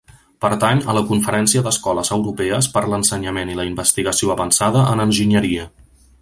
Pertany a la Conferència d'Escoles Europees per l'Ensenyament i la Investigació Avançada en Enginyeria.